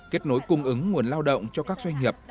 kết nối cung ứng nguồn lao động cho các doanh nghiệp